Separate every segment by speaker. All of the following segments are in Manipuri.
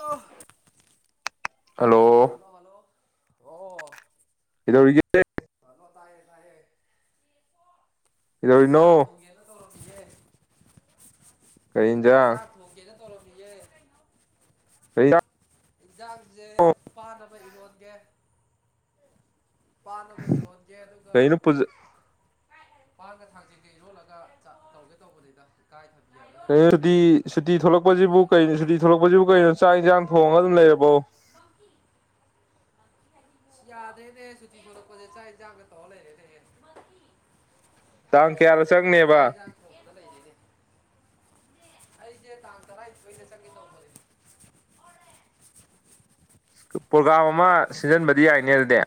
Speaker 1: ꯑꯣꯐ
Speaker 2: ꯍꯜꯂꯣ
Speaker 1: ꯍꯜꯂꯣ ꯍꯜꯂꯣ ꯑꯣ
Speaker 2: ꯀꯩꯗꯧꯔꯤꯒꯦ
Speaker 1: ꯍꯜꯂꯣ ꯇꯥꯏꯌꯦ ꯇꯥꯏꯌꯦ ꯑꯁ ꯆꯥꯛ
Speaker 2: ꯀꯩꯗꯧꯔꯤꯅꯣ
Speaker 1: ꯊꯣꯡꯒꯦꯅ ꯇꯧꯔꯛꯁꯤꯒꯦ
Speaker 2: ꯀꯔꯤ ꯏꯟꯖꯥꯡ
Speaker 1: ꯁꯥꯠ ꯍꯒꯦꯅꯦ ꯇꯣꯂꯣ ꯄꯌꯦ
Speaker 2: ꯀꯩ
Speaker 1: ꯑꯦꯛꯖꯥꯡꯁꯦ ꯄꯥꯅꯕ ꯏꯔꯣꯟꯗꯦ ꯄꯥꯅꯕ ꯏꯔꯣꯟꯗꯦ ꯑꯗꯨꯒ
Speaker 2: ꯀꯩꯅꯣ ꯄꯨꯖ
Speaker 1: ꯄꯥꯒ ꯊꯥꯡꯖꯤꯡꯒꯩ ꯏꯔꯣꯜꯂꯒ ꯇꯧꯒꯦ ꯇꯧꯕꯅꯤꯗ ꯏꯀꯥꯏ ꯊꯕꯤ ꯍꯥꯏꯕ꯭ꯔꯥ
Speaker 2: ꯀꯣ ꯁꯨꯇꯤ
Speaker 1: ꯀꯩꯅꯣꯃ ꯑꯣꯠꯂꯒ
Speaker 2: ꯁꯨꯇꯤ ꯊꯣꯛꯂꯛꯄꯁꯤꯕꯨ ꯀꯣ ꯁꯨꯇꯤ ꯊꯣꯛꯂꯛꯄꯁꯤꯕꯨ ꯀꯩꯅꯣ ꯆꯥꯏ ꯏꯟꯁꯥꯡ ꯊꯣꯡꯉꯒ ꯑꯗꯨꯝ ꯂꯩꯔꯕꯣ
Speaker 1: ꯀꯤ ꯌꯥꯗꯦꯅꯦ ꯁꯨꯇꯤ ꯂꯧꯊꯣꯛꯄꯁꯦ ꯆꯥꯛ ꯏꯟꯆꯖꯥꯡꯗ ꯇꯧ ꯂꯩꯔꯦꯅꯦꯍꯦ
Speaker 2: ꯇꯥꯡ ꯀꯌꯥꯗ
Speaker 1: ꯆꯥꯛ
Speaker 2: ꯆꯪꯅꯦꯕ
Speaker 1: ꯏꯟꯁꯥꯡ ꯂꯩꯔꯤꯅꯦ ꯑꯩꯁꯦ ꯇꯥꯡ ꯇꯔꯥꯊꯣꯏꯅꯦ ꯆꯪꯒꯦ ꯇꯧꯕꯅꯦ
Speaker 2: ꯄ꯭ꯔꯣꯒꯥꯝ ꯑꯃ ꯁꯤꯟꯖꯟꯕꯗꯤ ꯌꯥꯏꯅꯦ ꯑꯗꯨꯗꯤ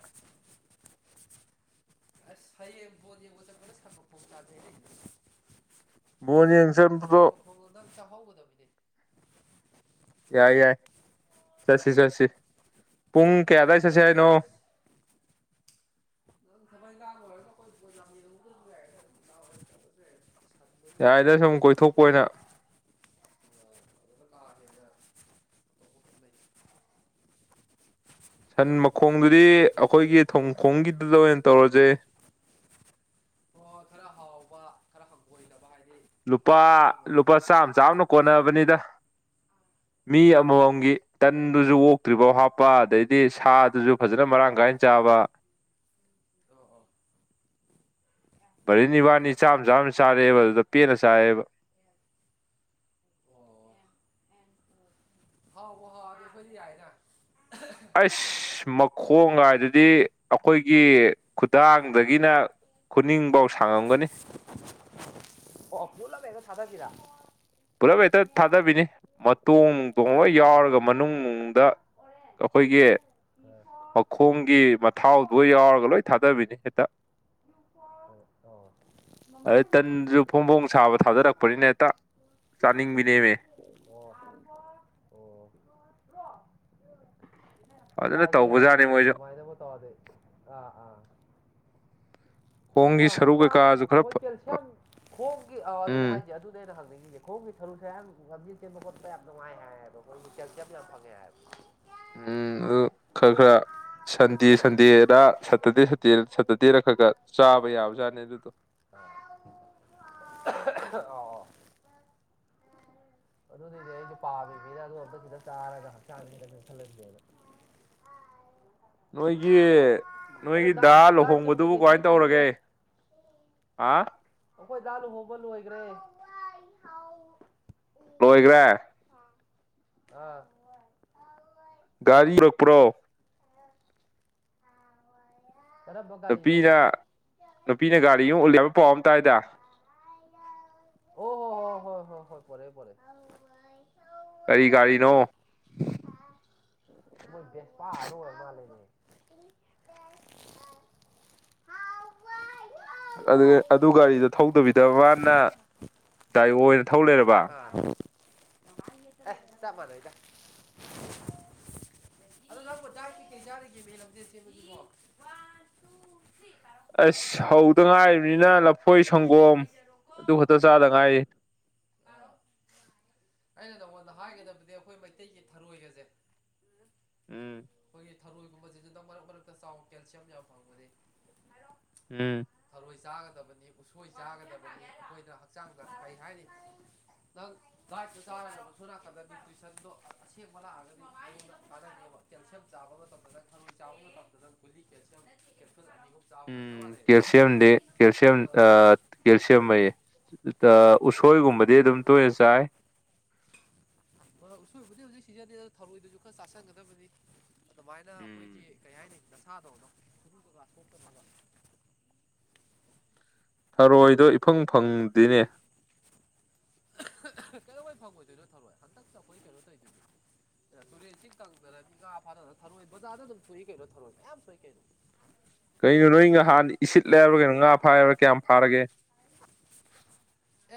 Speaker 1: ꯑ ꯁꯣꯗꯤꯕꯨ ꯀ ꯁꯥ ꯄꯆꯗꯅꯦ
Speaker 2: ꯃꯣꯔꯅꯤꯡꯖꯗꯨꯗꯣ
Speaker 1: ꯊꯧꯒꯣꯛꯗꯪ ꯆꯥꯍꯧꯒꯗꯕꯕꯤꯅꯦ
Speaker 2: ꯌꯥꯏ ꯌꯥꯏ ꯆꯠꯁꯤ ꯆꯠꯁꯤ ꯄꯨꯡ ꯀꯌꯥꯗ꯭ꯋꯥꯏ ꯆꯠꯁꯤ ꯍꯥꯏꯅꯣ
Speaker 1: ꯑꯁ ꯅꯪ ꯊꯃꯛ ꯏꯪꯈꯥꯡ ꯑꯣꯏꯔ ꯑꯩꯈꯣꯏ ꯌꯥ [unintelligible]
Speaker 2: ꯌꯥꯏꯗ ꯁꯨꯝ ꯀꯣꯏꯊꯣꯛꯄ ꯑꯣꯏꯅ
Speaker 1: ꯑ ꯂꯥꯒꯦꯅ ꯂꯩ
Speaker 2: ꯁꯟ ꯃꯈꯣꯡꯗꯨꯗꯤ ꯑꯩꯈꯣꯏꯒꯤ ꯊꯣꯡꯈꯣꯡꯒꯤꯗꯨꯗ ꯑꯣꯏꯅ ꯇꯧꯔꯁꯦ
Speaker 1: ꯎ ꯈꯔ ꯍꯥꯎꯕ ꯈꯔ ꯍꯪꯒꯣꯏꯗꯕ ꯍꯥꯏꯗꯤ
Speaker 2: ꯂꯨꯄꯥ
Speaker 1: ꯍꯥꯎꯅ ꯄꯤꯖꯕ
Speaker 2: ꯂꯨꯄꯥ
Speaker 1: ꯖꯒꯥꯗ
Speaker 2: ꯆꯥꯝꯃ ꯆꯥꯅ ꯀꯣꯟꯅꯕꯅꯤꯗ ꯃꯤ
Speaker 1: ꯍꯣꯏꯅꯦ
Speaker 2: ꯑꯃꯃꯝꯒꯤ ꯇꯟꯗꯨꯁꯨ ꯑꯣꯇ꯭ꯔꯤꯐꯥꯎ ꯍꯥꯞꯄ ꯑꯗꯩꯗꯤ ꯁꯥꯗꯨꯁꯨ ꯐꯖꯅ ꯃꯔꯥꯡ ꯀꯥꯏꯅ ꯆꯥꯕ
Speaker 1: ꯑ ꯑ
Speaker 2: ꯚꯔꯦꯟ ꯅꯤ ꯋꯥꯅꯤ ꯆꯥꯝ ꯆꯥ ꯑꯃ ꯆꯥꯔꯦꯕ ꯑꯗꯨꯗ ꯄꯦꯟꯅ ꯆꯥꯏꯑꯦꯕ
Speaker 1: ꯑꯣ ꯍꯥꯎꯕꯨ ꯍꯥꯎꯔꯗꯤ ꯑꯩꯈꯣꯏꯗꯤ ꯌꯥꯏꯅ
Speaker 2: ꯑꯁ ꯃꯈꯣꯡ ꯍꯥꯏꯥꯏꯗꯗꯤ ꯑꯩꯈꯣꯏꯒꯤ ꯈꯨꯗꯥꯡꯗꯒꯤꯅ ꯈꯨꯅꯤꯡꯐꯧ ꯁꯥꯡꯉꯝꯒꯅꯤ
Speaker 1: ꯑꯣ ꯄꯨꯂꯞ ꯍꯦꯇ ꯊꯗꯕꯤꯔ
Speaker 2: ꯄꯨꯂꯞ ꯍꯦꯛꯇ ꯊꯥꯗꯕꯤꯅꯤ ꯃꯇꯣꯡ ꯇꯣꯡꯕ
Speaker 1: ꯑꯣ
Speaker 2: ꯌꯥꯎꯔꯒ ꯃꯅꯨꯡꯗ ꯑꯩꯈꯣꯏꯒꯤ ꯃꯈꯣꯡꯒꯤ ꯃꯊꯥꯎꯗꯣ ꯌꯥꯎꯔꯒ ꯂꯣꯏ ꯊꯥꯗꯕꯤꯅꯤ ꯍꯦꯛꯇ [inaudible] ꯑꯗꯩ ꯇꯟꯁꯨ ꯐꯣꯡ ꯐꯣꯡ ꯁꯥꯕ ꯊꯥꯗꯔꯛꯄꯅꯤꯅ ꯍꯦꯛꯇ ꯆꯥꯅꯤꯡꯕꯤꯅꯦꯃꯦ
Speaker 1: ꯑꯣ ꯑꯣ
Speaker 2: ꯐꯖꯅ
Speaker 1: ꯌꯥꯏꯗ ꯌꯥꯏꯗ
Speaker 2: ꯇꯧꯕꯖꯥꯠꯅꯤ ꯃꯣꯏꯁꯨ
Speaker 1: ꯑꯗꯨꯃꯥꯏꯅꯕꯨ ꯇꯧꯗꯤ ꯑꯥ ꯑꯥ ꯑꯗꯣ
Speaker 2: ꯈꯣꯡꯒꯤ ꯁꯔꯨ
Speaker 1: ꯍꯛꯆꯥꯡ
Speaker 2: ꯀꯩꯀꯥꯁꯨ ꯈꯔ
Speaker 1: ꯑꯩꯈꯣꯏ ꯀꯦꯜꯁꯤꯌꯝ ꯈꯣꯡꯒꯤ ꯑꯗꯨꯅꯦ
Speaker 2: ꯎꯝ
Speaker 1: ꯍꯥꯏꯁꯦ ꯑꯗꯨ ꯑꯗꯨꯅꯦ ꯑꯩꯅ ꯍꯪꯅꯤꯡꯉꯤꯁꯦ ꯈꯣꯡꯒꯤ ꯁꯔꯨ ꯁꯥꯌꯥꯡ ꯂꯝꯖꯦꯜ ꯆꯦꯟꯕ ꯈꯣꯠꯄꯣ ꯌꯥꯝ ꯅꯨꯡꯉꯥꯏ ꯀꯦꯜꯁꯤꯌꯝ ꯌꯥꯝ ꯐꯪꯉꯦ ꯍꯥꯏ
Speaker 2: ꯎꯝ ꯑꯗꯨ ꯈꯔ ꯈꯔ ꯁꯟꯗꯦ ꯁꯟꯗꯦꯗ ꯁꯦꯇꯔꯗꯦ ꯁꯟꯗꯦ ꯁꯠꯇꯔꯗꯦꯗ ꯈꯔ ꯈꯔ ꯆꯥꯕ ꯌꯥꯕꯖꯥꯠꯅꯦ ꯑꯗꯨꯗꯣ
Speaker 1: ꯑꯣ ꯑꯣꯥ
Speaker 2: [inaudible]
Speaker 1: ꯑꯗꯨꯅꯦ ꯑꯩꯁꯨ ꯄꯥꯝꯃꯤꯁꯤꯅ ꯑꯗꯨ ꯑꯝꯇ ꯈꯤꯇ ꯆꯥꯔꯒ ꯍꯛꯆꯥꯡꯗ ꯈꯤꯇꯥꯪ ꯀꯟꯈꯠꯂꯟꯒꯦꯅ
Speaker 2: [inaudible] ꯅꯣꯏꯒꯤ
Speaker 1: ꯑꯗꯣ
Speaker 2: ꯅꯣꯏꯒꯤ
Speaker 1: ꯗꯥꯏꯠ
Speaker 2: ꯗꯥ
Speaker 1: ꯗꯥꯏꯠꯁꯤꯕꯨ
Speaker 2: ꯂꯨꯍꯣꯡꯕꯗꯨꯕꯨ
Speaker 1: ꯀꯩꯀꯩ
Speaker 2: ꯀꯃꯥꯏꯅ
Speaker 1: ꯁꯤꯖꯤꯟꯅꯔꯤꯒꯦ
Speaker 2: ꯇꯧꯔꯒꯦ ꯑꯥ
Speaker 1: ꯑꯩꯈꯣꯏ ꯗꯥ ꯂꯨꯍꯣꯡꯕ ꯂꯣꯏꯈ꯭ꯔꯦ
Speaker 2: ꯂꯣꯏꯈ꯭ꯔꯦ
Speaker 1: ꯑꯥ
Speaker 2: ꯒꯥꯔꯤ ꯌꯧꯔꯛꯄ꯭ꯔꯣ
Speaker 1: ꯑꯥ
Speaker 2: ꯅꯨꯄꯤꯅ ꯅꯨꯄꯤꯅ ꯒꯥꯔꯤ ꯑꯃ ꯎꯟꯂꯛ ꯑꯦ ꯍꯥꯏꯕ ꯄꯥꯎ ꯑꯃ ꯇꯥꯏꯗ
Speaker 1: ꯑꯣ ꯍ ꯑꯣ ꯍꯣ ꯍ ꯍꯣꯏ ꯄꯣꯔꯛ ꯑꯦ ꯄꯣꯔꯛ ꯑꯦ
Speaker 2: ꯀꯔꯤ ꯒꯥꯔꯤꯅꯣ
Speaker 1: ꯑꯥ ꯃꯣꯏ ꯕꯦꯁꯄꯥ ꯑꯣꯏꯔ ꯃꯥꯜꯂꯦꯅꯦ
Speaker 2: ꯑꯗꯨ ꯒꯥꯔꯤꯗꯣ ꯊꯧꯗꯕꯤꯗꯕ ꯃꯥꯅ ꯗꯥꯏ ꯑꯣ ꯑꯣꯏꯅ ꯊꯧ ꯂꯩꯔꯕ
Speaker 1: ꯑꯥ ꯆꯞ ꯃꯥꯟꯅꯩꯗ ꯑꯗꯨ ꯅꯥꯪꯕꯨ ꯀꯔꯤ ꯗꯥꯏꯠꯇ ꯆꯥꯔꯤꯒꯦꯅꯦ ꯅꯥꯪꯕꯣ ꯂꯥꯝꯖꯦꯜ ꯆꯦꯟꯕꯗꯨꯕꯣ
Speaker 2: ꯑꯁ ꯍꯧꯗ ꯉꯥꯏꯔꯤꯕꯅꯤꯅ ꯂꯐꯣꯏ ꯁꯪꯒꯣꯝ
Speaker 1: ꯍꯩꯖꯔꯣꯀꯣ
Speaker 2: ꯑꯗꯨ ꯈꯛꯇ ꯆꯥꯗ ꯉꯥꯏꯔꯤ
Speaker 1: ꯄꯥꯔꯣ ꯑꯩꯅ ꯅꯉꯣꯟꯗ ꯍꯥꯏꯒꯗꯕꯗꯤ ꯑꯩꯈꯣꯏ ꯃꯩꯇꯩꯒꯤ ꯊꯔꯣꯏꯒꯁꯦ
Speaker 2: ꯎꯝ
Speaker 1: ꯑꯩꯈꯣꯏꯒꯤ ꯊꯔꯣꯏꯒꯨꯝꯕ ꯁꯤꯁꯤꯗ ꯃꯔꯛ ꯃꯔꯛꯇ ꯆꯥꯎ ꯀꯦꯜꯁꯤꯌꯝ ꯌꯥꯝ ꯐꯪꯕꯅꯤ
Speaker 2: ꯎꯝ
Speaker 1: ꯊꯔꯣꯏ ꯆꯥꯒꯗꯕꯅꯤ ꯎꯁꯣꯏ ꯆꯥꯒꯗꯕꯅꯤ ꯑꯩꯈꯣꯏꯅ ꯍꯛꯆꯥꯡꯗ ꯐꯩ ꯍꯥꯏꯔꯤ ꯅꯪ ꯥꯗꯥꯥꯏꯠꯇꯨ ꯆꯥꯔ ꯁꯣꯝ ꯅꯥꯀꯟꯗ ꯅꯤꯌꯨꯇꯔꯤꯁꯟꯗꯣ ꯑꯁꯦꯡꯕ ꯂꯥꯛꯑꯒꯗꯤ ꯅꯉꯣꯟꯗ ꯀꯥꯅꯅꯤꯕ ꯀꯦꯜꯁꯤꯌꯝ ꯆꯥꯕ ꯃꯇꯝꯗ ꯅꯪ ꯊꯔꯣꯏ ꯆꯥꯕ ꯃꯇꯝꯗ ꯒꯨꯂꯤ ꯀꯦꯜꯁꯤꯌꯝ ꯀꯦꯞꯁꯨꯜ ꯑꯅꯤ
Speaker 2: ꯎꯝ
Speaker 1: ꯆꯥꯕꯒ
Speaker 2: ꯀꯦꯜꯁꯤꯌꯝꯗꯤ
Speaker 1: ꯆꯞ
Speaker 2: ꯀꯦꯜꯁꯤꯌꯝ
Speaker 1: ꯃꯥꯟꯅꯩꯕ
Speaker 2: ꯀꯦꯜꯁꯤꯌꯝ
Speaker 1: ꯑ
Speaker 2: ꯂꯩꯌꯦ ꯎꯁꯣꯏꯒꯨꯝꯕꯗꯤ ꯑꯗꯨꯝ ꯇꯣꯏꯅ ꯆꯥꯏ
Speaker 1: ꯍꯣꯏ ꯍꯣꯏ ꯎꯁꯣꯏꯕꯨꯗꯤ ꯍꯧꯖꯤꯛ ꯁꯤꯖꯟꯅꯤꯅ ꯑꯗ ꯊꯧꯔꯣꯏꯗꯨꯁꯨ ꯈꯔ ꯆꯥꯁꯤꯟꯒꯗꯕꯅꯤ ꯑꯗꯨꯃꯥꯏꯅ ꯑꯩꯈꯣꯏꯒꯤ
Speaker 2: ꯎꯝ
Speaker 1: ꯀꯩ ꯍꯥꯏꯅꯤ ꯅꯁꯥꯗꯣ ꯅꯈꯨꯠ ꯁꯣꯛꯇꯅꯕ
Speaker 2: ꯊꯔꯣꯏꯗꯣ ꯏꯐꯪ ꯐꯪꯗꯦꯅꯦ
Speaker 1: ꯀꯩ ꯗꯧꯕꯩ ꯐꯪꯉꯣꯏꯗꯣꯏꯅꯣ ꯊꯔꯣꯏ ꯍꯟꯗꯛꯇ ꯑꯩꯈꯣꯏ ꯀꯩꯅꯣ ꯇꯧꯗꯣꯏꯅꯦ ꯇꯨꯔꯦꯟ ꯏꯁꯤꯡ ꯀꯪꯗꯅ ꯃꯤ ꯉꯥ ꯐꯥꯅꯗꯅ ꯊꯔꯣꯏ ꯕꯖꯥꯔꯗ ꯑꯗꯨꯝ ꯊꯣꯛꯏ ꯀꯩꯅꯣ ꯊꯔꯣꯏ ꯃꯌꯥꯝ ꯁꯨꯏ ꯀꯩꯅꯣ
Speaker 2: ꯀꯩꯅꯣ ꯅꯣꯏ ꯉꯍꯥꯟꯅ ꯏꯁꯤꯠ ꯂꯦ ꯍꯥꯏꯕꯔꯥ ꯀꯩꯅꯣ ꯉꯥ ꯐꯥꯏ ꯍꯥꯏꯕꯔ ꯀꯩꯅꯣ ꯀꯌꯥꯝ ꯐꯥꯔꯒꯦ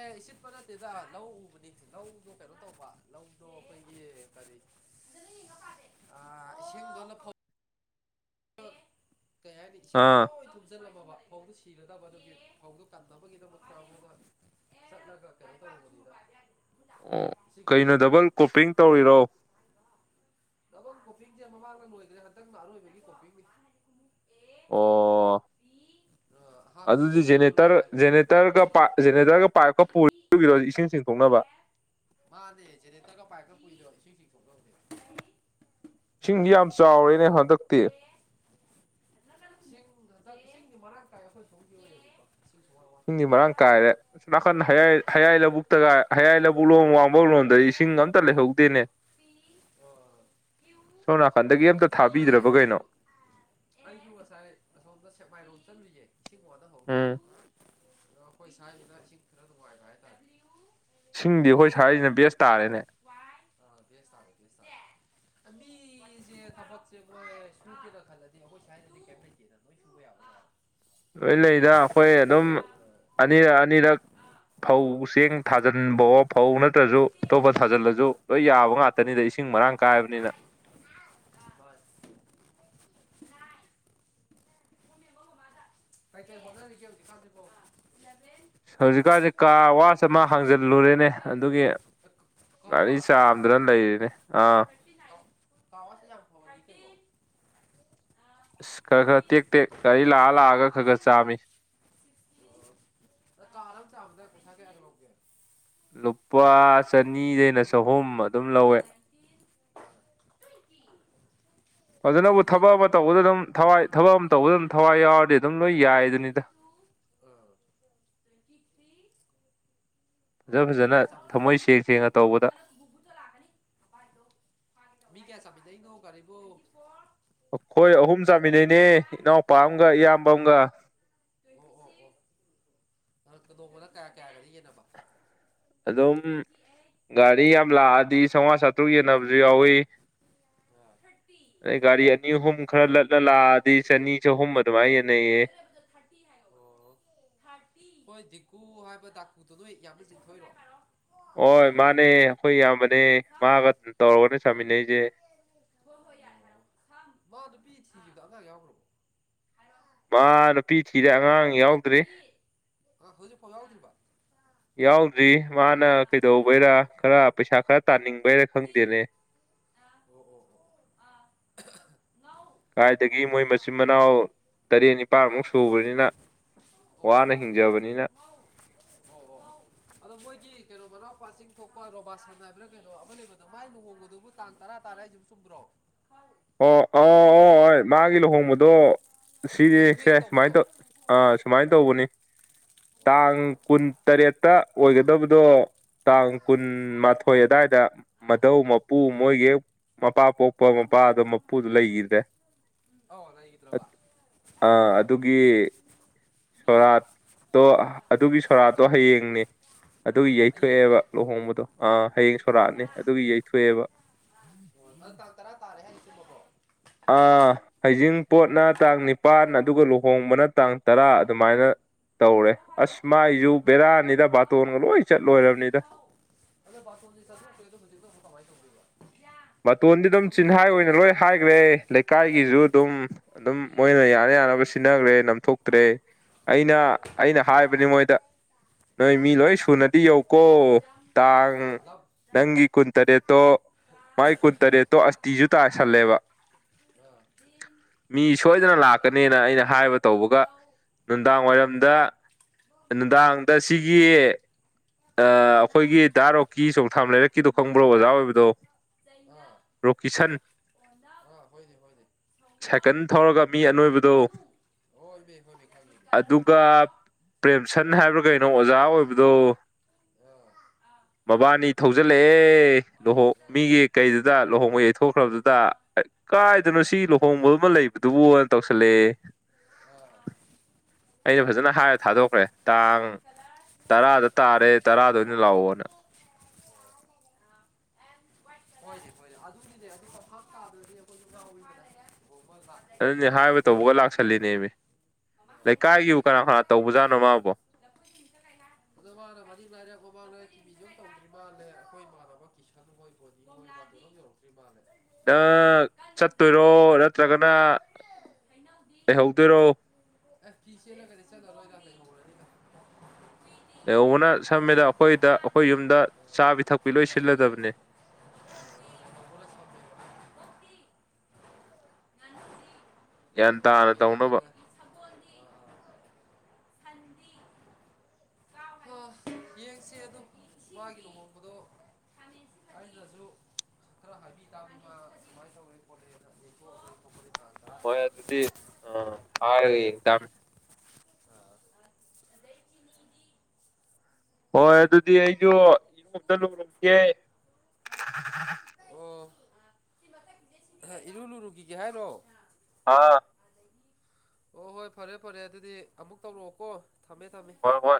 Speaker 1: ꯑꯦ ꯏꯁꯤꯠꯄ ꯅꯠꯇꯦꯗ ꯂꯧ ꯎꯕꯅꯤ ꯂꯧꯗꯣ ꯀꯩꯅꯣ ꯇꯧꯕ ꯂꯧꯗꯣ ꯑꯩꯈꯣꯏꯒꯤ ꯀꯔꯤ
Speaker 2: [inaudible]
Speaker 1: ꯑ ꯏꯁꯤꯡꯗꯨꯅ ꯐ ꯀꯩ ꯍꯥꯏꯅꯤ ꯏꯁꯤꯡꯗꯣ
Speaker 2: ꯑꯥ
Speaker 1: ꯂꯣꯏ ꯊꯨꯝꯖꯤꯜꯂꯝꯃꯕ ꯐꯧꯗꯣ ꯁꯤꯅꯗꯕ ꯑꯗꯨꯒꯤ ꯐꯧꯗꯨ ꯀꯟꯅꯕꯒꯤꯗꯃꯛꯇ ꯑꯃꯒ ꯆꯠꯂꯒ ꯀꯩꯅꯦ ꯇꯧꯔꯨꯕꯅꯤꯗ
Speaker 2: ꯎꯟ ꯀꯩꯅꯣ ꯗꯕꯜ ꯀꯣꯄꯤꯡ ꯇꯧꯔꯤꯔꯣ
Speaker 1: ꯗꯧꯕꯂ ꯀꯣꯄꯤꯡꯁꯦ ꯃꯃꯥꯡꯗ ꯂꯣꯏꯈ꯭ꯔꯦ ꯍꯟꯇꯛꯅ ꯑꯔꯣꯏꯕꯒꯤ ꯀꯣꯄꯤꯡꯅꯤ
Speaker 2: ꯑꯣ
Speaker 1: ꯑꯍꯥꯟꯕꯒꯤ
Speaker 2: ꯑꯗꯨꯗꯤ
Speaker 1: ꯁꯤꯖꯟ ꯑꯃ
Speaker 2: ꯖꯦꯅꯦꯇꯔ
Speaker 1: ꯂꯣꯏꯈ꯭ꯔꯦ
Speaker 2: ꯔꯒ ꯖꯦꯅꯦꯇꯔꯒ ꯄꯥꯏꯞꯀ ꯄꯨꯔꯣ ꯏꯁꯤꯡ ꯆꯤꯡꯊꯣꯛꯅꯕ
Speaker 1: ꯃꯥꯅꯦ ꯖꯦꯅꯦꯇꯔꯒ ꯄꯥꯏꯞꯀ ꯄꯨꯏꯗꯣ ꯏꯁꯤꯡ ꯆꯤꯡꯊꯣꯛꯅꯕꯅꯦ
Speaker 2: ꯏꯁꯤꯡꯗꯤ ꯌꯥꯝ ꯆꯥꯎꯔꯦꯅꯦ ꯍꯟꯗꯛ
Speaker 1: ꯏꯁꯤꯡ ꯍꯟꯇꯛ ꯏꯁꯤꯡꯗꯤ ꯃꯔꯥꯡꯀꯥꯏ ꯑꯩꯈꯣꯏ ꯁꯣꯝꯒꯤ ꯑꯣꯏꯅꯗꯤꯀꯣ ꯏꯁꯤꯡ ꯁꯣ
Speaker 2: ꯏꯁꯤꯡꯗꯤ ꯃꯔꯥꯡ ꯀꯥꯏꯔꯦ ꯑꯁꯣꯝ ꯅꯥꯀꯟ
Speaker 1: ꯑꯃ
Speaker 2: ꯍꯌꯥꯏ ꯂꯧꯕꯨꯛꯇꯒ ꯍꯌꯥꯏ ꯂꯕꯨꯨꯛ ꯂꯣꯝ ꯋꯥꯡꯃ ꯂꯣꯝꯗꯗꯤ ꯏꯁꯤꯡ ꯑꯝꯇ ꯂꯩꯍꯧꯗꯦꯅꯦ
Speaker 1: ꯍꯣ
Speaker 2: ꯁꯣꯝ ꯅꯥꯀꯟꯗꯒꯤ ꯑꯝꯇ ꯊꯥꯕꯤꯗ꯭ꯔꯕ ꯀꯩꯅꯣ
Speaker 1: ꯑꯩꯁꯨ ꯑꯩꯁꯨ ꯉꯁꯥꯏ ꯑꯁꯣꯝꯗ ꯁꯦꯛꯃꯥꯏꯔꯣꯝ ꯆꯠꯂꯨꯏꯌꯦ ꯏꯁꯤꯡ ꯋꯥꯅꯍꯧꯔꯤ
Speaker 2: ꯎꯝ
Speaker 1: ꯑꯗꯣ ꯑꯩꯈꯣꯏ ꯁꯋꯥꯏꯗꯅ ꯏꯁꯤꯡ ꯈꯔꯥ ꯅꯨꯡꯉꯥꯏꯕ ꯍꯥꯏ ꯇꯥꯔꯦ
Speaker 2: ꯏꯁꯤꯡꯗꯤ ꯑꯩꯈꯣꯏ ꯁꯋꯥꯏꯁꯤꯅ ꯕꯦꯁ ꯇꯥꯔꯦꯅꯦ
Speaker 1: ꯑ ꯕꯦꯁ ꯇꯥꯔꯦ ꯕꯦꯁ ꯇꯥꯔꯦ ꯃꯤꯁꯦ ꯊꯕꯛꯁꯦ ꯁꯨꯒꯦꯅ ꯈꯜꯂꯗꯤ ꯑꯩꯈꯣꯏꯗ ꯁꯋꯥꯏꯗꯗꯤ ꯀꯩꯝ ꯂꯩꯇꯦꯗ ꯃꯣꯏ ꯊꯋ ꯌꯥꯕ
Speaker 2: ꯂꯣꯏ ꯂꯩꯗ ꯑꯩꯈꯣꯏ ꯑꯗꯨꯝ ꯑꯅꯤꯔꯛ ꯑꯅꯤꯔꯛ ꯐꯧ ꯆꯦꯡ ꯊꯥꯖꯤꯟꯕꯑꯣ ꯐꯧ ꯅꯠꯇ꯭ꯔꯁꯨ ꯑꯇꯣꯞꯄ ꯊꯖꯤꯜꯂꯁꯨ ꯂꯣꯏ ꯌꯥꯕ ꯉꯥꯛꯇꯅꯤꯗ ꯏꯁꯤꯡ ꯃꯔꯥꯡ ꯀꯥꯏꯕꯅꯤꯅ
Speaker 1: ꯍꯁ ꯀꯩ ꯀꯩ ꯍꯣꯠꯅꯔꯤꯒꯦ ꯍꯧꯖꯤꯛ ꯀꯟꯁꯤꯕꯣ
Speaker 2: ꯍꯧꯖꯤꯛꯀꯥꯟꯁꯦ ꯀꯥ ꯋꯥꯆ ꯑꯃ ꯍꯥꯡꯖꯜꯂꯨꯔꯦꯅꯦ ꯑꯗꯨꯒꯤ ꯒꯥꯔꯤ ꯆꯥꯝꯗꯅ ꯂꯩꯔꯤꯅꯤ ꯑꯥ
Speaker 1: ꯀꯥꯎꯁꯝ ꯈ
Speaker 2: ꯑꯁ ꯈꯔ ꯈꯔ ꯇꯦꯛ ꯇꯦꯛ ꯒꯥꯔꯤ ꯂꯥꯛꯑ ꯂꯥꯛꯑꯒ ꯈꯔ ꯈꯔ ꯆꯥꯝꯃꯤ
Speaker 1: ꯀꯥꯔ ꯑꯃ ꯆꯝꯕꯗ ꯄꯩꯁꯥ ꯀꯌꯥ ꯀ ꯂꯧꯒꯦ
Speaker 2: ꯂꯨꯄꯥ ꯆꯅꯤꯗꯩꯅ ꯆꯍꯨꯝ ꯑꯗꯨꯝ ꯂꯧꯋꯦ
Speaker 1: [inaudible]
Speaker 2: ꯑꯗꯨꯅꯕꯨ ꯊꯕꯛ ꯑꯃ ꯇꯧꯕꯗ ꯑꯗꯨꯝ ꯊꯋꯥꯏ ꯊꯕꯛ ꯑꯃ ꯇꯧꯕꯗ ꯑꯗꯨꯝ ꯊꯋꯥꯏ ꯌꯥꯎꯔꯗꯤ ꯑꯗꯨꯝ ꯂꯣꯏ ꯌꯥꯏꯗꯨꯅꯤꯗ
Speaker 1: ꯑ
Speaker 2: ꯐꯖ
Speaker 1: ꯑꯣ ꯃꯤ
Speaker 2: ꯐꯖꯅ
Speaker 1: ꯀꯌꯥ
Speaker 2: ꯊꯃꯣꯏ
Speaker 1: ꯆꯥꯝꯗꯣꯏꯕ
Speaker 2: ꯁꯦꯡ ꯁꯦꯡꯅ ꯇꯧꯕꯗ
Speaker 1: ꯀꯩꯅꯣ ꯗ ꯂꯥꯛꯀꯅꯤ ꯃꯤ ꯀꯌꯥ ꯆꯥꯝꯃꯤꯟꯅꯩꯅꯣ ꯒꯥꯔꯤꯕꯣ
Speaker 2: ꯑꯩꯈꯣꯏ ꯑꯍꯨꯝ ꯆꯥꯃꯤꯟꯅꯩꯅꯦ ꯏꯅꯥꯎꯄꯥ ꯑꯃꯒ ꯏꯌꯥꯝꯕ ꯑꯃꯒ
Speaker 1: ꯑꯣ ꯑꯣ ꯑꯣ ꯇꯣꯡꯕꯅ ꯀꯌꯥ ꯀꯌꯥꯒꯗꯤ ꯌꯦꯟꯅꯕ
Speaker 2: ꯑꯗꯨꯝ ꯒꯥꯔꯤ ꯌꯥꯝ ꯂꯥꯛꯑꯗꯤ ꯆꯥꯝꯃꯉꯥ ꯆꯥꯇ꯭ꯔꯨꯛ ꯌꯦꯟꯅꯕꯁꯨ ꯌꯥꯎꯋꯤ
Speaker 1: ꯊꯇꯤ
Speaker 2: ꯑꯗꯩ ꯒꯥꯔꯤ ꯑꯅꯤ ꯑꯍꯨꯝ ꯈꯔ ꯂꯠꯂ ꯂꯥꯛꯑꯗꯤ ꯆꯅꯤ ꯆꯍꯨꯝ ꯑꯗꯨꯋꯥꯏ ꯌꯦꯟꯅꯩꯌꯦ
Speaker 1: ꯊꯥꯔꯇꯤ ꯑꯣ ꯍꯣꯏ ꯖꯤꯀꯨ ꯍꯥꯏꯕ ꯗꯥꯀꯨꯗꯨ ꯅꯣꯏ ꯌꯥꯝꯅ ꯆꯤꯡꯊꯣꯏꯔꯦ
Speaker 2: ꯍꯣꯏ ꯃꯥꯅꯦ ꯑꯩꯈꯣꯏ ꯏꯌꯥꯝꯕꯅꯦ
Speaker 1: ꯁꯝ
Speaker 2: ꯃꯥꯒ ꯇꯧꯔꯒꯅ ꯆꯥꯃꯤꯟꯅꯔꯤꯁꯦ
Speaker 1: ꯍ ꯍꯣꯏ ꯌꯥꯗ ꯍꯥꯏꯣ ꯃꯥ ꯅꯨꯄꯤ ꯊꯤꯈꯤꯕꯗꯣ ꯑꯉꯥꯡ ꯌꯥꯎꯈ꯭ꯔꯕꯣ
Speaker 2: ꯃꯥ ꯅꯨꯄꯤ ꯊꯤꯔꯦ ꯑꯉꯥꯡ ꯌꯥꯎ
Speaker 1: ꯍꯧꯏꯁꯨ ꯐꯖꯒꯗ꯭ꯔꯤꯕ
Speaker 2: ꯌꯥꯎꯗ꯭ꯔꯤ ꯃꯥꯅ
Speaker 1: ꯑꯥ ꯀꯟꯅ ꯄꯥꯎ
Speaker 2: ꯀꯩꯗꯧꯕꯩꯔꯥ ꯈꯔ ꯄꯩꯁꯥ ꯈꯔ ꯇꯥꯅꯤꯡꯕꯩꯔꯥ
Speaker 1: ꯆꯤꯟ
Speaker 2: ꯈꯪꯗꯦꯅꯦ
Speaker 1: ꯑꯣ ꯍꯣ ꯍꯣ ꯑ
Speaker 2: ꯀꯥꯏꯗꯒꯤ ꯃꯣꯏ
Speaker 1: ꯑꯥ
Speaker 2: ꯃꯆꯤꯟ ꯃꯅꯥꯎ ꯇꯔꯦꯠ
Speaker 1: ꯉꯧ
Speaker 2: ꯅꯤꯄꯥꯜꯃꯨꯛ
Speaker 1: ꯑꯣ
Speaker 2: ꯁꯨꯕꯅꯤꯅ ꯋꯥꯅ ꯍꯤꯡꯖꯕꯅꯤꯅ
Speaker 1: ꯍ ꯍ ꯑꯗꯣ ꯃꯣꯏꯒꯤ ꯀꯩꯅꯣ ꯃꯅꯥꯎꯄꯥ ꯆꯤꯡ ꯊꯣꯛꯄ ꯔꯣꯕꯥꯁꯟ ꯍꯥꯏꯕ꯭ꯔꯥ ꯀꯩꯅꯣ ꯑꯃ ꯂꯩꯕꯗꯣ ꯃꯥꯏ ꯂꯨꯍꯣꯡꯕꯗꯨꯕꯨ ꯇꯥꯡ ꯇꯔꯥ ꯇꯔꯥ ꯍꯥꯏꯁꯤ ꯁꯊꯔꯣ
Speaker 2: ꯑꯣ ꯑꯣ ꯑꯣ ꯍ ꯃꯥꯒꯤ ꯂꯨꯍꯣꯡꯕꯗꯣ ꯁꯤꯅꯤ ꯁꯦ ꯁꯨꯃꯥꯏꯅ ꯇꯧ ꯑꯥ ꯁꯨꯃꯥꯏꯅ ꯇꯧꯕꯅꯤ ꯇꯥꯡ ꯀꯨꯟꯇꯔꯦꯠꯇ ꯑꯣꯏꯒꯗꯕꯗꯣ ꯇꯥꯡ ꯀꯨꯟꯃꯊꯣꯏ ꯑꯗꯨꯗꯥꯋꯥꯏꯗ ꯃꯙꯧ ꯃꯄꯨ ꯃꯣꯏꯒꯤ ꯃꯄꯥ ꯄꯣꯛꯄ ꯑꯩꯈꯣꯏ ꯃꯄꯥꯗꯣ ꯃꯄꯨꯗꯣ ꯂꯩꯈꯤꯗ꯭ꯔꯦ ꯑꯥ ꯑꯗꯨꯒꯤ ꯁꯣꯔꯥꯠꯇꯣ ꯑꯗꯨꯒꯤ ꯁꯣꯔꯥꯠꯇꯣ ꯍꯌꯦꯡꯅꯦ ꯑꯗꯨꯒꯤ ꯌꯩꯊꯣꯛꯑꯦꯕ ꯂꯨꯍꯣꯡꯕꯗꯣ ꯑ ꯍꯌꯦꯡ ꯁꯣꯔꯥꯠꯅꯤ ꯑꯗꯨꯒꯤ ꯌꯩꯊꯣꯛꯑꯦꯕ
Speaker 1: ꯎꯝ ꯑꯣ ꯅꯪ ꯇꯥꯡ ꯇꯔꯥ ꯇꯥꯔꯦ ꯍꯥꯏꯔꯤꯁꯤꯦꯕꯀꯣ
Speaker 2: ꯑ ꯍꯩꯖꯤꯡꯄꯣꯠꯅ ꯇꯥꯡ ꯅꯤꯄꯥꯥꯟ ꯑꯗꯨꯒ ꯂꯨꯍꯣꯡꯕꯅ ꯇꯥꯡ ꯇꯔꯥ ꯑꯗꯨꯃꯥꯏꯅ ꯇꯧꯔꯦ ꯑꯁ ꯃꯥꯏꯁꯨ ꯕꯦꯔꯥꯅꯤꯗ ꯕꯥꯇꯣꯟꯒ ꯂꯣꯏ ꯆꯠꯂꯣꯏꯔꯕꯅꯤꯗ
Speaker 1: ꯑ ꯄ ꯆꯥꯏ
Speaker 2: ꯃꯇꯣꯟꯗꯤ ꯑꯗꯨꯝ ꯆꯤꯟꯍꯥꯏ ꯑꯣꯏꯅ ꯂꯣꯏ ꯍꯥꯏꯈ꯭ꯔꯦ ꯂꯩꯀꯥꯏꯒꯤꯁꯨ ꯑꯗꯨꯝ ꯑꯗꯨꯝ ꯃꯣꯏꯅ ꯌꯥꯅ ꯌꯥꯅꯕ ꯁꯤꯟꯅꯈ꯭ꯔꯦ ꯅꯝꯊꯣꯛꯇ꯭ꯔꯦ ꯑꯩꯅ ꯑꯩꯅ ꯍꯥꯏꯕꯅꯤ ꯃꯣꯏꯗ ꯅꯣꯏ ꯃꯤ ꯂꯣꯏ ꯁꯨꯅꯗꯤ ꯌꯧ ꯀꯣ ꯇꯥꯡ ꯅꯪꯒꯤ ꯀꯨꯟꯇꯔꯦꯠꯇꯣ ꯃꯥꯏ ꯀꯨꯟꯇꯔꯦꯠꯇꯣ ꯑꯁꯇꯤꯖ ꯇꯥꯥꯁꯜꯂꯦꯕ
Speaker 1: ꯀ
Speaker 2: ꯃꯤ ꯁꯣꯏꯗꯅ ꯂꯥꯛꯀꯅꯦꯅ ꯑꯩꯅ ꯍꯥꯏꯕ ꯇꯧꯕꯒ ꯅꯨꯡꯗꯥꯡ ꯋꯥꯏꯔꯝꯗ ꯅꯨꯡꯗꯥꯡꯗ ꯁꯤꯒꯤ ꯑꯩꯈꯣꯏꯒꯤ ꯗꯥꯔꯣꯛꯀꯤ ꯆꯣꯡꯊꯥꯝ ꯂꯩꯔꯛꯀꯤꯗꯣ ꯈꯪꯕ꯭ꯔꯣ ꯑꯣꯖꯥ ꯑꯣꯏꯕꯗꯣ
Speaker 1: ꯅ
Speaker 2: ꯔꯣꯀꯤꯁꯟ
Speaker 1: ꯑ ꯍꯣꯏꯅꯦ ꯍꯣꯏꯅꯦ
Speaker 2: ꯁꯥꯏꯀꯜ ꯊꯧꯔꯒ ꯃꯤ ꯑꯅꯣꯏꯕꯗꯣ ꯑꯗꯨꯒ ꯄ꯭ꯔꯦꯝꯁꯟ ꯍꯥꯏꯕ꯭ꯔꯥ ꯀꯩꯅꯣ ꯑꯣꯖꯥ ꯑꯣꯏꯕꯗꯣ
Speaker 1: ꯑꯣ
Speaker 2: ꯃꯕꯥꯅꯤ ꯊꯧꯖꯤꯜꯂꯛꯑꯦ ꯂꯨꯍꯣ ꯃꯤꯒꯤ ꯀꯩꯗꯨꯗ ꯂꯨꯍꯣꯡꯕ ꯌꯩꯊꯣꯛꯈ꯭ꯔꯕꯗꯨꯗ ꯀꯥꯏꯗꯅꯣ ꯁꯤ ꯂꯨꯍꯣꯡꯕ ꯑꯃ ꯂꯩꯕꯗꯨꯕꯨ ꯑꯣꯏꯅ ꯇꯧꯁꯜꯂꯛꯑꯦ
Speaker 1: ꯑ
Speaker 2: ꯑꯩꯅ ꯐꯖꯅ ꯍꯥꯏꯔ ꯊꯥꯗꯣꯛꯈ꯭ꯔꯦ ꯇꯥꯡ ꯇꯔꯥꯗ ꯇꯥꯔꯦ ꯇꯔꯥꯗ ꯑꯣꯏꯅ ꯂꯥꯛꯑꯣꯅ
Speaker 1: ꯍꯣꯏꯔ ꯑꯗꯨꯒꯤꯗꯤ ꯑꯇꯣꯞꯞ
Speaker 2: ꯑꯗꯨꯅꯤ ꯍꯥꯏꯕ ꯇꯧꯕꯒ ꯂꯥꯛꯁꯜꯂꯤꯅꯦꯃꯤ
Speaker 1: ꯑꯩꯈꯣꯏꯁꯨꯗ
Speaker 2: ꯂꯩꯀꯥꯏꯒꯤꯕꯨ ꯀꯅꯥ ꯀꯅꯥ ꯇꯧꯕꯖꯥꯠꯅꯣ ꯃꯥꯕꯣ
Speaker 1: ꯐꯣꯏ ꯆ ꯀꯥꯏꯂ ꯑꯗꯣ ꯃꯥꯅ ꯃꯔꯤꯛ ꯥꯏꯔꯛꯄ ꯃꯥꯅ ꯀꯤꯕꯤꯤꯖꯣ ꯇꯧꯗ꯭ꯔꯤ ꯃꯥꯜꯂꯦ ꯑꯩꯈꯣꯏ ꯏꯃꯥꯟꯅꯕ ꯀꯤꯁꯟ ꯃꯣꯏꯕꯨꯣꯗꯤ ꯃꯣꯏ ꯌꯔꯛꯛꯇꯣ ꯑꯗꯨ ꯃꯥꯦ
Speaker 2: ꯅꯪ ꯆꯠꯇꯣꯏꯔꯣ ꯅꯠꯇ꯭ꯔꯒꯅ ꯂꯩꯍꯧꯗꯣꯏꯔꯣ
Speaker 1: ꯑꯦ ꯐꯤꯁꯦꯅ ꯀꯔꯤ ꯆ ꯆꯂꯣꯏ
Speaker 2: ꯂꯍꯧꯕꯅ ꯁꯝꯃꯤꯗ ꯑꯩꯈꯣꯏꯗ ꯑꯩꯈꯣꯏ
Speaker 1: ꯂꯩꯍꯧꯕꯅ
Speaker 2: ꯌꯨꯝꯗ ꯆꯥ ꯄꯤ ꯊꯛꯄꯤ ꯂꯣꯏ ꯁꯤꯜꯂꯗꯕꯅꯤ
Speaker 1: ꯁꯝꯃꯦꯕ
Speaker 2: ꯒ꯭ꯌꯥꯟ ꯇꯥꯅ ꯇꯧꯅꯕ
Speaker 1: ꯍꯟꯗꯤ ꯌꯦꯡꯁ ꯑꯗꯨꯝ ꯃꯥꯒꯤ ꯂꯨꯍꯣꯡꯕꯗꯣ ꯍꯥꯏꯇꯔꯁꯨ ꯈꯔ ꯍꯥꯕꯤ ꯇꯥꯕꯤꯅ ꯁꯨꯃꯥꯏꯅ ꯇꯧꯔꯦꯣꯠ ꯇꯥꯔꯕ
Speaker 2: ꯗꯤ ꯑ ꯍꯥꯏꯔꯒ ꯌꯦꯡꯇꯥꯃꯤ
Speaker 1: ꯑ
Speaker 2: ꯍꯣꯏ ꯑꯗꯨꯗꯤ ꯑꯩꯁꯨ ꯆꯠꯂꯨꯈꯤꯒꯦ
Speaker 1: ꯑꯣ ꯃ [unintelligible] ꯏꯔꯨ ꯂꯨꯔꯨꯈꯤꯒꯦ ꯍꯥꯏꯔꯣ
Speaker 2: ꯑ
Speaker 1: ꯍ ꯍꯣꯏ ꯐꯔꯦ ꯐꯔꯦ ꯑꯗꯨꯗꯤ ꯑꯃꯨꯛ ꯇꯧꯔꯛꯑꯣꯀꯣ ꯊꯝꯃꯦ ꯊꯝꯃꯦ
Speaker 2: ꯍꯣꯏ ꯍꯣꯏ